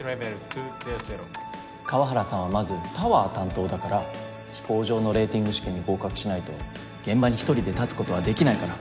河原さんはまずタワー担当だから飛行場のレーティング試験に合格しないと現場に一人で立つ事はできないから。